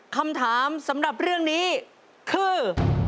คำถามสำหรับเรื่องนี้คือ